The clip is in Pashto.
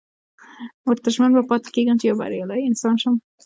ورته ژمن به پاتې کېږم چې يو بريالی انسان شم.